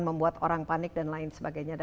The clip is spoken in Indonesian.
membuat orang panik dan lain sebagainya